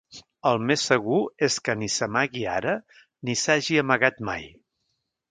El més segur és que ni s'amagui ara ni s'hagi amagat mai.